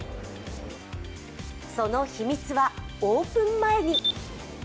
その秘密はオープン前に。